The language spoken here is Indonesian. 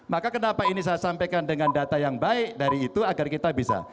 maka kenapa ini saya sampaikan dengan data yang baik dari itu agar kita bisa